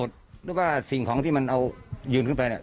นึกว่าสิ่งของที่มันเอายืนขึ้นไปเนี่ย